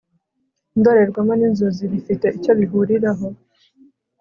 indorerwamo n'inzozi bifite icyo bihuriraho